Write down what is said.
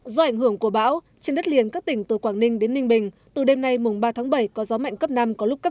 do ảnh hưởng của bão trên đất liền các tỉnh từ quảng ninh đến ninh bình từ đêm nay mùng ba tháng bảy có gió mạnh cấp năm có lúc cấp sáu